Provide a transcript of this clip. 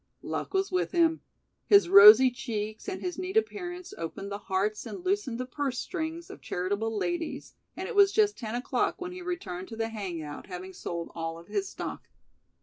Luck was with him. His rosy cheeks and his neat appearance opened the hearts and loosened the purse strings of charitable ladies and it was just ten o'clock when he returned to the hangout, having sold all of his stock.